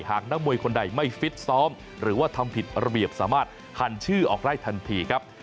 หากนักมวยคนใดไม่ฟิตซ้อมหรือว่าทำผิดระเบียบสามารถคันชื่อออกได้ทันทีครับ